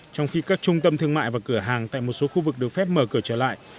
trong khi các trung tâm thương mại và cửa hàng tại một số khu vực được phép mở cửa trở lại